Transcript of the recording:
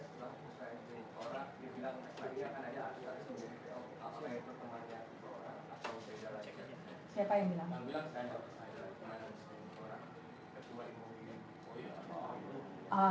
ada yang sudah